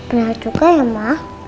benar juga ya ma